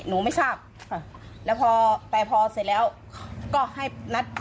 ไม่ทราบค่ะแล้วพอแต่พอเสร็จแล้วก็ให้นัด